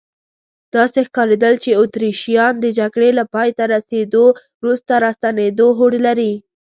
داسې ښکارېدل چې اتریشیان د جګړې له پایته رسیدو وروسته راستنېدو هوډ لري.